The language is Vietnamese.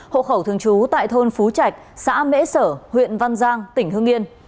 hộ khẩu thường trú tại thôn phú trạch xã mễ sở huyện văn giang tỉnh hương yên